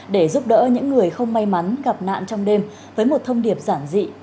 để giúp đỡ những người không may mắn gặp nạn trong đêm với một thông điệp giản dị